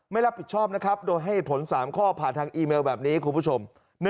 ไม่รับผิดชอบนะครับโดยให้เหตุผล๓ข้อผ่านทางอีเมลแบบนี้คุณผู้ชม